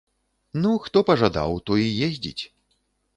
Ну, хто пажадаў, той і ездзіць.